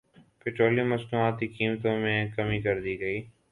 petroleum مصنوعات کی قیمتوں میں کمی کردی گئی